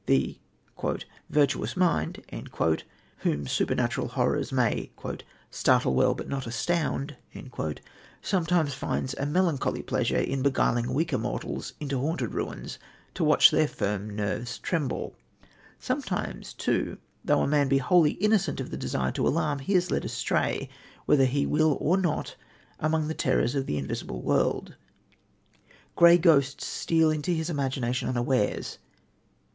The "virtuous mind," whom supernatural horrors may "startle well but not astound," sometimes finds a melancholy pleasure in beguiling weaker mortals into haunted ruins to watch their firm nerves tremble. Sometimes too, though a man be wholly innocent of the desire to alarm, he is led astray, whether he will or not, among the terrors of the invisible world. Grey ghosts steal into his imagination unawares.